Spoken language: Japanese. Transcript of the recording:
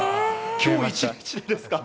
今日１日でですか？